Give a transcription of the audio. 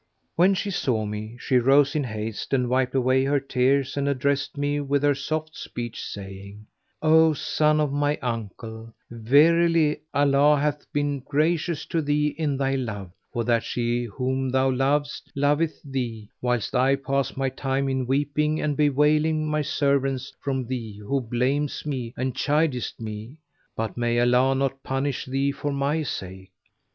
When she saw me, she rose in haste and wiped away her tears and addressed me with her soft speech, saying, "O son of my uncle, verily Allah hath been gracious to thee in thy love, for that she whom thou lovest loveth thee, whilst I pass my time in weeping and bewailing my severance from thee who blamest me and chidest me; but may Allah not punish thee for my sake!"